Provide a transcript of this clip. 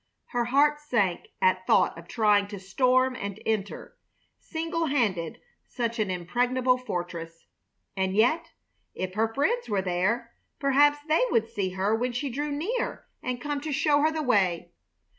Her heart sank at thought of trying to storm and enter, single handed, such an impregnable fortress. And yet, if her friends were there, perhaps they would see her when she drew near and come to show her the way.